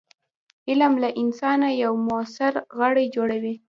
علم له انسانه یو موثر غړی جوړوي.